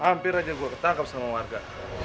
hampir aja gua ketangkep sama warga